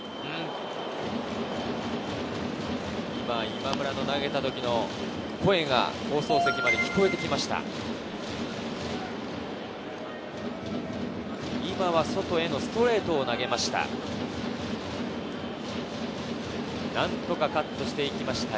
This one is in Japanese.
今村の投げた時の声が放送席まで聞こえてきました。